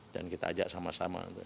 dan kita ajak sama sama